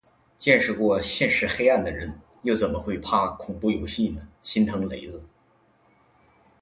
见识过现实黑暗的人，又怎么会怕恐怖游戏呢，心疼雷子